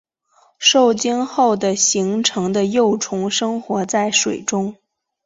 受精后的形成的幼虫生活在水中。